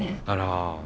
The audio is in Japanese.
あら。